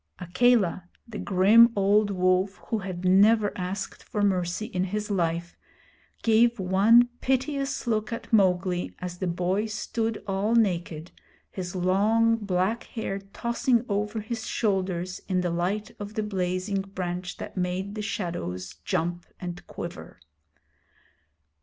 Akela, the grim old wolf who had never asked for mercy in his life, gave one piteous look at Mowgli as the boy stood all naked, his long black hair tossing over his shoulders in the light of the blazing branch that made the shadows jump and quiver.